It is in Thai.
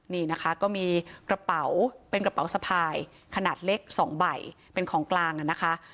นี่นะคะก็มีกระเป๋าเป็นกระเป๋าสะพายขนาดเล็ก๒ใบเป็นของกลางอ่ะนะคะ